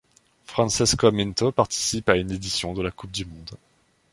Francesco Minto participe à une édition de la coupe du monde.